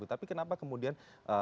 tapi kenapa kemudian